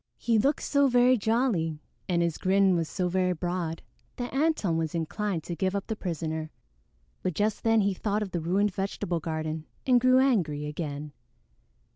He looked so very jolly and his grin was so very broad that Antone was inclined to give up the prisoner; but just then he thought of the ruined vegetable garden and grew angry again.